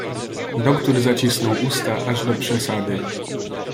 "Doktór zacisnął usta aż do przesady."